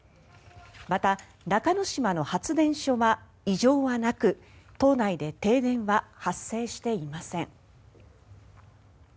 また、中之島の発電所は異常はなく島内で停電は発生していません。